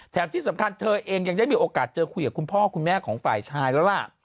ที่สำคัญเธอเองยังได้มีโอกาสเจอคุยกับคุณพ่อคุณแม่ของฝ่ายชายแล้วล่ะ